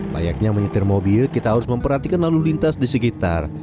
layaknya menyetir mobil kita harus memperhatikan lalu lintas di sekitar